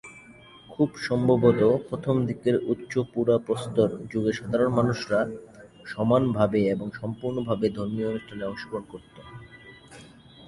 খুব সম্ভবত প্রথম দিকের উচ্চ-পুরাপ্রস্তর যুগের সাধারণ মানুষরা সমান ভাবে এবং সম্পুর্ণভাবে ধর্মীয় অনুষ্ঠানে অংশগ্রহণ করত।